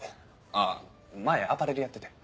前アパレルやってて。